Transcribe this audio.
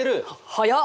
早っ！